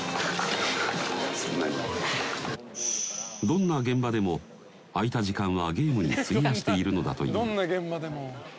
どんな現場でも空いた時間はゲームに費やしているのだという。